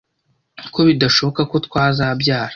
ko bidashoboka ko twazabyara